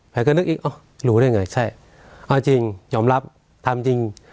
แฟนก็นึกอีกอ๋อหรูได้ไงใช่อ๋อจริงยอมรับทำจริง